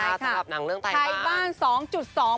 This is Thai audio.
สำหรับหนังเรื่องไทยบ้านสองจุดสอง